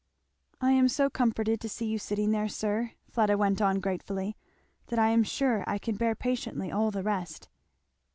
"I am so comforted to see you sitting there, sir," Fleda went on gratefully, "that I am sure I can bear patiently all the rest."